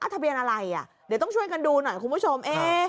ทะเบียนอะไรเดี๋ยวต้องช่วยกันดูหน่อยคุณผู้ชม